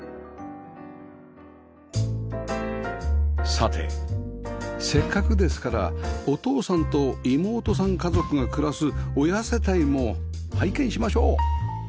さてせっかくですからお父さんと妹さん家族が暮らす親世帯も拝見しましょう